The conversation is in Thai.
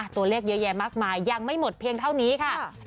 ตัวเลขเยอะแยะมากมายยังไม่หมดเพียงเท่านี้ค่ะ